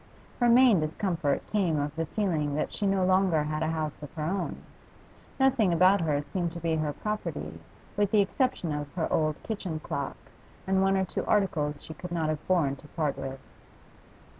Her main discomfort came of the feeling that she no longer had a house of her own; nothing about her seemed to be her property with the exception of her old kitchen clock, and one or two articles she could not have borne to part with.